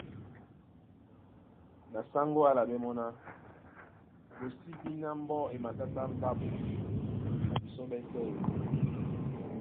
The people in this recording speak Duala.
Na sáŋgó á álaɓɛ́ mɔ́ ná:Lo sí bí ná mbɔ́ e matátá ndáɓo na bisɔ́ ɓɛ́sɛ̄ ē?